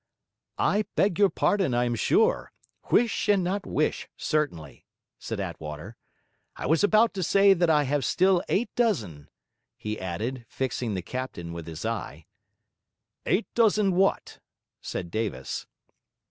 'I beg your pardon, I am sure. Huish and not Whish, certainly,' said Attwater. 'I was about to say that I have still eight dozen,' he added, fixing the captain with his eye. 'Eight dozen what?' said Davis.